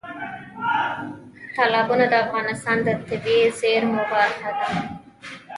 تالابونه د افغانستان د طبیعي زیرمو برخه ده.